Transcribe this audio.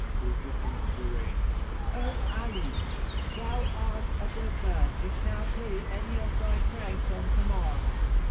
Rejoined Zurayk, "O Ali, thou art a dead man if thou play any of thy pranks on Kamar."